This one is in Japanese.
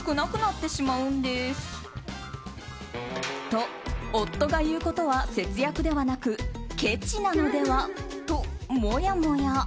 と、夫が言うことは節約ではなくけちなのではと、もやもや。